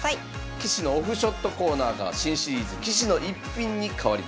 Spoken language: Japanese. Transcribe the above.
棋士のオフショットコーナーが新シリーズ「棋士の逸品」に変わります。